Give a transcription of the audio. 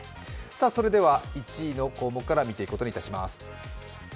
それでは１位の項目から見ていくことにいたします。